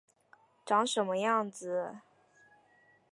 长什么样子